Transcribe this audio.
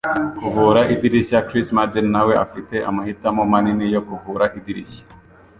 Kuvura Idirishya - Chris Madden nawe afite amahitamo manini yo kuvura idirishya.